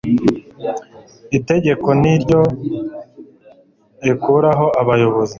itegeko niryo rikuraho abayobozi